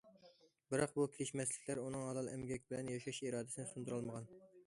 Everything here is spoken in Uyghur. بىراق، بۇ كېلىشمەسلىكلەر ئۇنىڭ ھالال ئەمگەك بىلەن ياشاش ئىرادىسىنى سۇندۇرالمىغان.